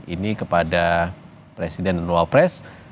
ini kepada presiden dan wapres